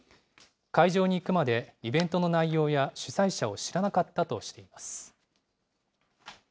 会場に行くまでイベントの内容や、主催者を知らなかったとしています。